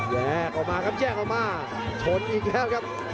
แยกออกมาครับแยกออกมาชนอีกแล้วครับ